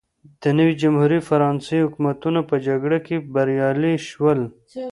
د نوې جمهوري فرانسې ځواکونه په جګړه کې بریالي شول.